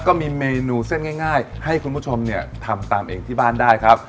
ก็มีเมนูเส้นง่ายให้คุณผู้ชมเนี่ยทำตามเองที่บ้านได้ครับ